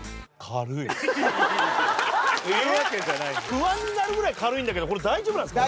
不安になるぐらい軽いんだけどこれ、大丈夫なんですか？